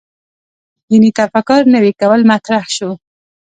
دیني تفکر نوي کول مطرح شو.